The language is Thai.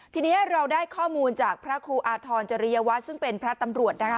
ทีนี้เราได้ข้อมูลจากพระครูอาทรจริยวัตรซึ่งเป็นพระตำรวจนะคะ